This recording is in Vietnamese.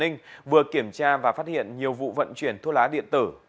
đội cảnh sát công an tp hạ long vừa kiểm tra và phát hiện nhiều vụ vận chuyển thuốc lá điện tử